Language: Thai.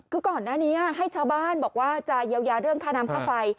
คือก่อนหน้านี้ให้ชาวบ้านบอกว่าจะเยียวยาเรื่องค่าน้ำค่าไฟ